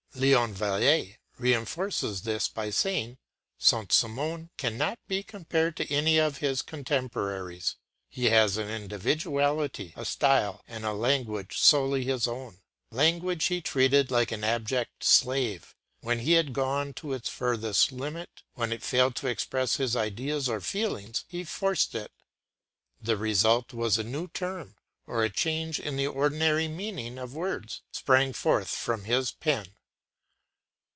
” Leon Vallee reinforces this by saying: “Saint Simon can not be compared to any of his contemporaries. He has an individuality, a style, and a language solely his own.... Language he treated like an abject slave. When he had gone to its farthest limit, when it failed to express his ideas or feelings, he forced it the result was a new term, or a change in the ordinary meaning of words sprang forth from has pen.